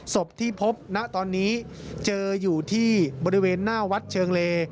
ศพที่พบณตอนนี้เจออยู่ที่บริเวณหน้าวัดเชิงเล